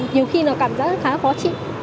nhiều khi nó cảm giác khá khó chịu